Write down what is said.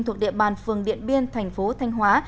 thuộc địa bàn phường điện biên tp thanh hóa